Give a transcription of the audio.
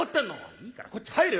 「いいからこっち入れよ！